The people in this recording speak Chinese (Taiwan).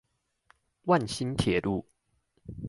萬新鐵路